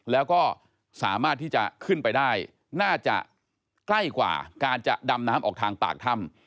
แล้วก็สามารถที่จะขึ้นไปได้น่าจะใกล้กว่าการจะดำน้ำออกทางปากถ้ำ